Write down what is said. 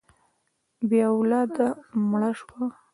بې اولاده مړه شوه.